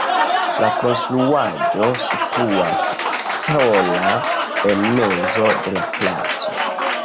La konstruaĵo situas sola en mezo de la placo.